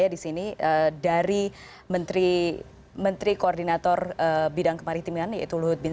tapi saya ingin mengingatkan kepada pak purban